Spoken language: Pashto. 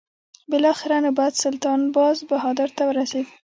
بالاخره نوبت سلطان باز بهادر ته ورسېد.